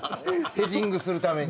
ヘディングするために。